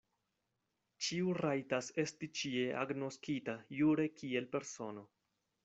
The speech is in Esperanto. Ĉiu rajtas esti ĉie agnoskita jure kiel persono.